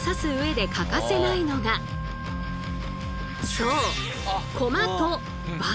そう！